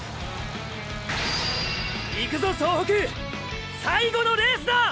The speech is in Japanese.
いくぞ総北最後のレースだ！